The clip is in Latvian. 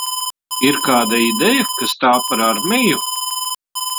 Ir kāda ideja, kas tā par armiju?